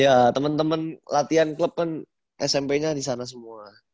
ya teman teman latihan klub kan smp nya di sana semua